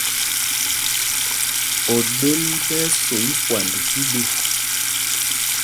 Oɗel ɓɛ́ ɛ́ so ikwand tí ɗu.